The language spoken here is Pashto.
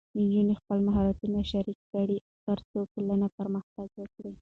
نجونې خپل مهارت شریک کړي، ترڅو ټولنه پرمختګ وکړي.